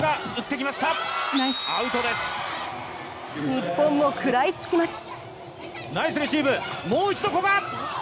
日本も食らいつきます。